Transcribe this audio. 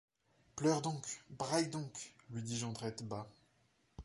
Pleure donc ! braille donc ! lui dit Jondrette bas.